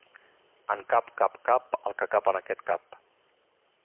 En cap cap cap el que cap en aquest cap.